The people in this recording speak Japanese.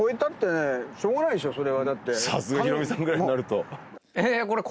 さすがヒロミさんぐらいになると。